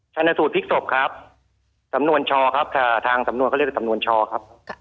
ชนะสูตรพลิกศพครับสำนวนชอครับทางสำนวนเขาเรียกสำนวนชอครับ